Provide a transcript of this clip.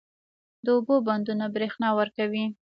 د اوبو بندونه برښنا ورکوي